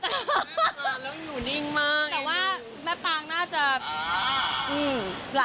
ใช่ก็ซ้อมไวนะซ้อมไว